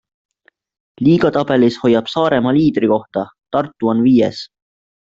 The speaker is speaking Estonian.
Liigatabelis hoiab Saaremaa liidrikohta, Tartu on viies.